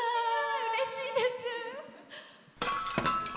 うれしいです。